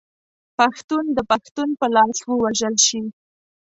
پښتون د پښتون په لاس ووژل شي.